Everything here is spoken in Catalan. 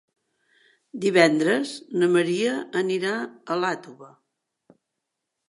Divendres na Maria anirà a Iàtova.